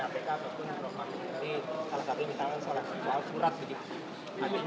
ataupun dari salah satu misalnya salah satu hal surat